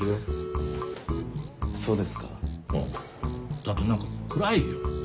だって何か暗いよ。